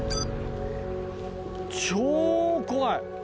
超怖い！